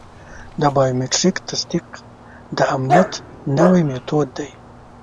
د بایومټریک تصدیق د امنیت نوی میتود دی.